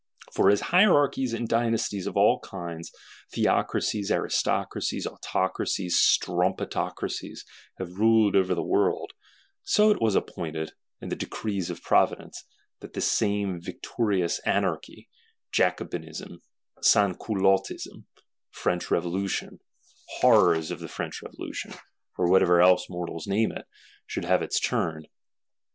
For as Hierarchies and Dynasties of all kinds, Theocracies, Aristocracies, Autocracies, Strumpetocracies, have ruled over the world; so it was appointed, in the decrees of Providence, that this same Victorious Anarchy, Jacobinism, Sansculottism, French Revolution, Horrors of French Revolution, or what else mortals name it, should have its turn.